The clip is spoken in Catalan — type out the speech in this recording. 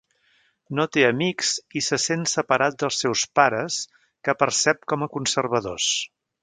No té amics i se sent separat dels seus pares que percep com a conservadors.